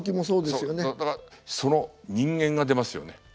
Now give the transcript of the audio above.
そうだからその人間が出ますよね。